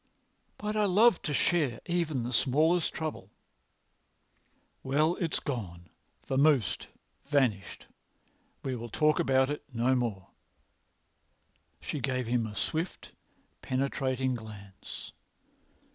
"But I love to share even the smallest trouble." "Well, it's gone—vamosed—vanished. We will talk about it no more." She gave him a swift, penetrating glance.